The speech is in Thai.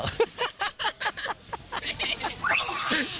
เอาเป็นว่า